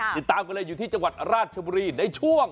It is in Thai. ติดตามกันเลยอยู่ที่จังหวัดราชบุรีในช่วง